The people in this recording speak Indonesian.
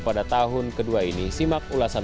pada tahun kedua ini simak ulasan